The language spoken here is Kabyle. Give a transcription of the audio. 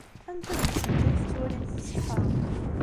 Anta deg-sent ay tettwalimt tṣeḥḥa?